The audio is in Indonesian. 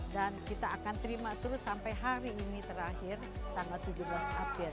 dan kita akan terima terus sampai hari ini terakhir tanggal tujuh belas april